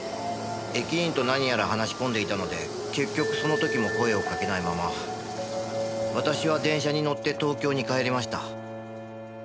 駅員と何やら話し込んでいたので結局その時も声をかけないまま私は電車に乗って東京に帰りました。